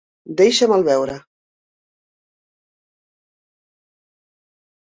Deixa-me'l veure.